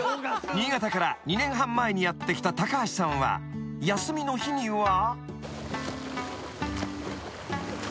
［新潟から２年半前にやって来た橋さんは休みの日には］